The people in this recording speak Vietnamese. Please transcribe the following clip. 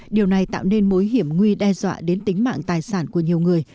điều này tạo nên mối hiểm nguy đe dọa đến tính mạng tài sản của nhiều người